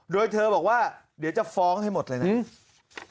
โดยเธอบอกว่าเดี๋ยวจะฟ้องให้หมดเลยนะ